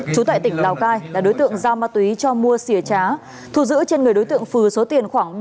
trú tại tỉnh lào cai là đối tượng giao ma túy cho mua xỉ trá thu giữ trên người đối tượng phừ số tiền khoảng